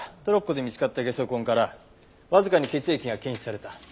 トロッコで見つかったゲソ痕からわずかに血液が検出された。